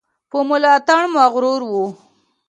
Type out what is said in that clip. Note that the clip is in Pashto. په ملاتړ مغرور وو.